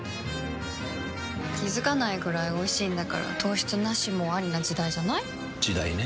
気付かないくらいおいしいんだから糖質ナシもアリな時代じゃない？時代ね。